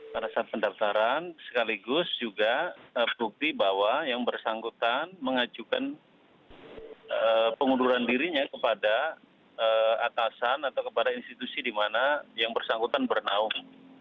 pada saat pendaftaran sekaligus juga bukti bahwa yang bersangkutan mengajukan pengunduran dirinya kepada atasan atau kepada institusi di mana yang bersangkutan bernaung